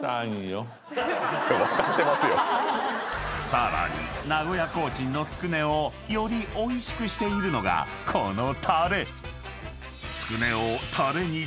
［さらに名古屋コーチンのつくねをよりおいしくしているのがこの］